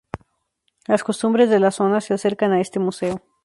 Las costumbres de la Zona se acercan a este Museo.